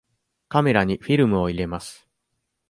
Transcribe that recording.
カメラにフィルムを入れます。